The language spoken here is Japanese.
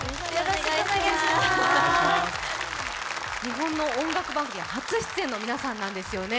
日本の音楽番組初出演の皆さんです。